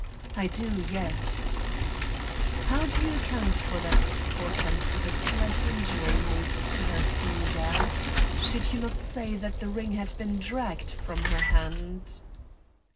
"I do; yes." "How do you account for that spot and the slight injury made to her finger? Should you not say that the ring had been dragged from her hand?"